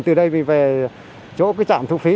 từ đây mình về chỗ cái trạm thu phí